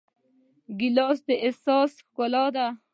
ګیلاس د احساس ښکلا ده.